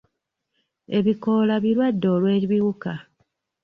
Ebikoola birwadde olw'ebiwuka.